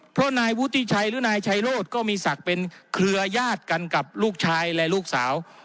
เพราะนายวุฒิชัยหรือนายชัยโรธก็มีศักดิ์เป็นเครือยาศกันกับลูกชายและลูกสาว